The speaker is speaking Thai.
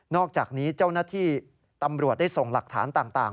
อกจากนี้เจ้าหน้าที่ตำรวจได้ส่งหลักฐานต่าง